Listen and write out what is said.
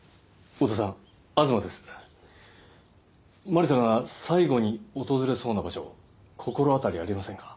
真理さんが最後に訪れそうな場所心当たりありませんか？